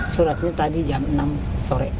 suratnya tadi jam enam sore